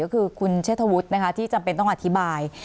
ก็คือคุณเชษฐวุฒินะคะที่จำเป็นต้องอธิบาย